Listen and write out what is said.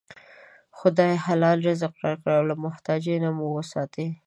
خدایه! حلال رزق راکړې، له محتاجۍ مو وساتې